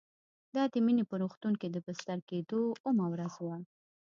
دا د مينې په روغتون کې د بستر کېدو اوومه ورځ وه